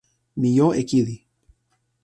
mi jo e kili.